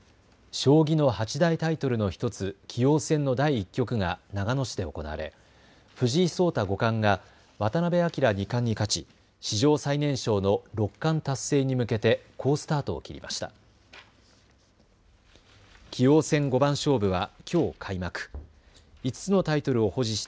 将棋の八大タイトルの１つ、棋王戦の第１局が長野市で行われ藤井聡太五冠が渡辺明二冠に勝ち、史上最年少の六冠達成に向けて好スタートを切りました。